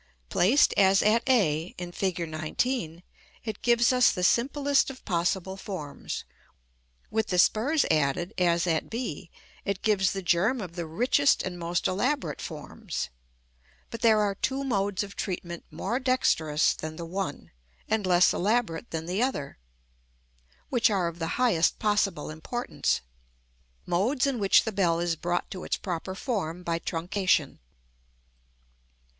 Placed as at a, in Fig. XIX., it gives us the simplest of possible forms; with the spurs added, as at b, it gives the germ of the richest and most elaborate forms: but there are two modes of treatment more dexterous than the one, and less elaborate than the other, which are of the highest possible importance, modes in which the bell is brought to its proper form by truncation.